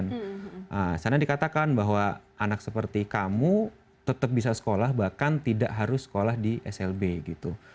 di sana dikatakan bahwa anak seperti kamu tetap bisa sekolah bahkan tidak harus sekolah di slb gitu